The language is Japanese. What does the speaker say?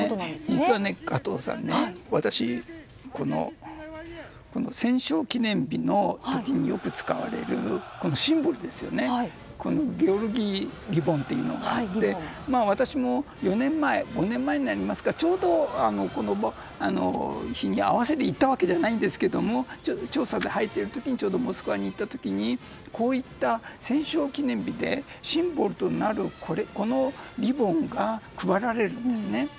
実は加藤さん私、この戦勝記念日の時によく使われる、このシンボルゲオルギーリボンというのがあって私も４年前、５年前になりますかちょうどこの日に合わせて行ったわけじゃないですが調査で入っている時ちょうどモスクワに行った時にこういった戦勝記念日でシンボルとなるこのリボンが配られるんですね。